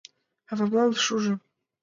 Авамлан шужо!..